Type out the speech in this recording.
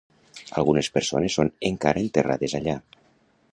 Algunes persones són encara enterrades allà.